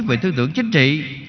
về thư tưởng chính trị